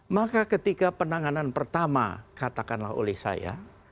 maka ketika penanganan pertama katakanlah oleh saya